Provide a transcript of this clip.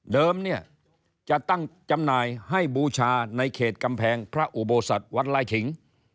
เนี่ยจะตั้งจำหน่ายให้บูชาในเขตกำแพงพระอุโบสถวัดไล่ขิง